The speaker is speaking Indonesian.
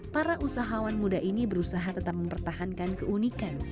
para usahawan muda ini berusaha tetap mempertahankan keunikan